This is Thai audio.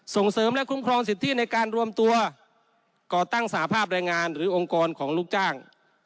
ส่งเสริมและคุ้มครองสิทธิในการรวมตัวก่อตั้งสาภาพแรงงานหรือองค์กรของลูกจ้าง